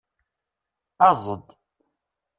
Aẓ-d!